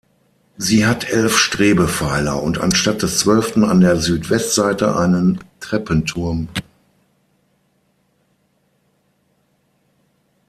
Sie hat elf Strebepfeiler und anstatt des zwölften an der Südwestseite einen Treppenturm.